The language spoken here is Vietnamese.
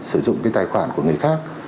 sử dụng cái tài khoản của người khác